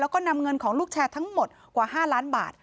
แล้วก็นำเงินของลูกแชร์ทั้งหมดกว่า๕ล้านบาท